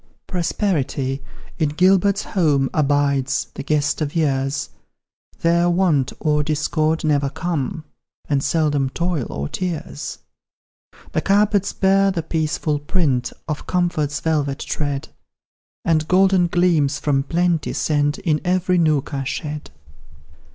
Prosperity, in Gilbert's home, Abides the guest of years; There Want or Discord never come, And seldom Toil or Tears. The carpets bear the peaceful print Of comfort's velvet tread, And golden gleams, from plenty sent, In every nook are shed.